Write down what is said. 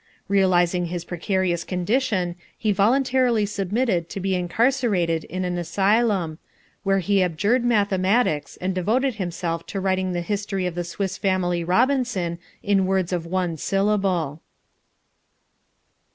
Realizing his precarious condition he voluntarily submitted to be incarcerated in an asylum, where he abjured mathematics and devoted himself to writing the History of the Swiss Family Robinson in words of one syllable.